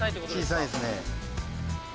小さいですね。